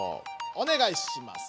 おねがいします。